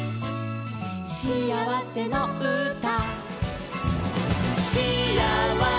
「しあわせのうた」